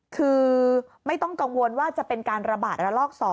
คือไม่ต้องกังวลว่าจะเป็นการระบาดระลอก๒